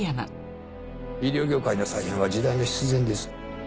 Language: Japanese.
医療業界の再編は時代の必然です。